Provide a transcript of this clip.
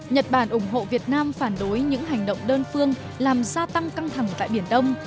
nhật bản ủng hộ việt nam phản đối những hành động đơn phương làm gia tăng căng thẳng tại biển đông